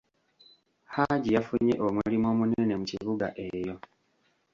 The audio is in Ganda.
Hajji yafunye omulimu omunene mu kibuga eyo.